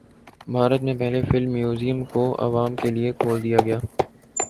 بھارت میں پہلے film museum کو عوام کے لیے کھول دیا گیا